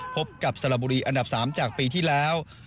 พบกับสระบุรีอันดับ๓จากปีที่แล้ว